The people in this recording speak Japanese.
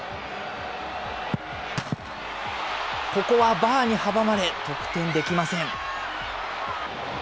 ここはバーに阻まれ、得点できません。